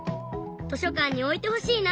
図書かんにおいてほしいな。